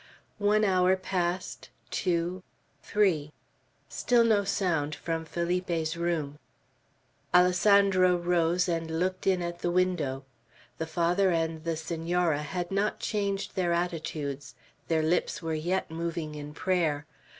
One hour passed, two, three; still no sound from Felipe's room. Alessandro rose, and looked in at the window. The Father and the Senora had not changed their attitudes; their lips were yet moving in prayer.